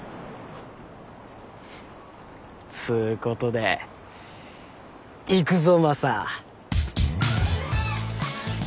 つうことで行くぞマサ。